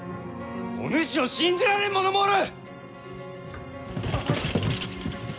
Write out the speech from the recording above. お主を信じられん者もおる！